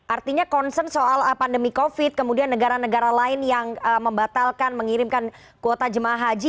artinya concern soal pandemi covid kemudian negara negara lain yang membatalkan mengirimkan kuota jemaah haji